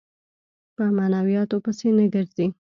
په معنوياتو پسې نه ګرځي.